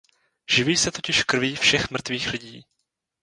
Živí se totiž krví všech mrtvých lidí.